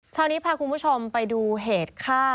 เช้านี้พาคุณผู้ชมไปดูเหตุฆ่า